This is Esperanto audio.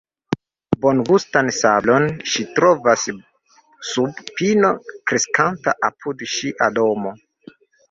Bongustan sablon ŝi trovas sub pino kreskanta apud ŝia domo.